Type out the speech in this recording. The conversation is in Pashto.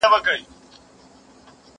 زه کولای سم کار وکړم؟!